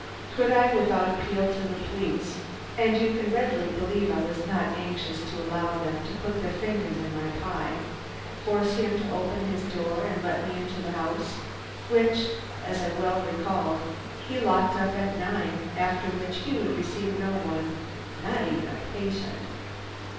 Could I, without appeal to the police and you can readily believe I was not anxious to allow them to put their fingers in my pie force him to open his door and let me into his house, which, as I well recalled, he locked up at nine after which he would receive no one, not even a patient?